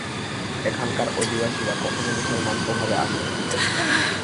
এখানকার অধিবাসীরা কখনও মুসলমান-প্রভাবে আসে নাই।